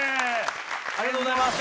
ありがとうございます。